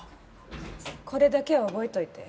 これだけは覚えておいて。